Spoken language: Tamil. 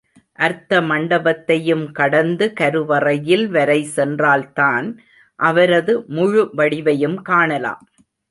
அர்த்த மண்டபத்தையும் கடந்து கருவறைவாயில் வரை சென்றால்தான் அவரது முழு வடிவையும் காணலாம்.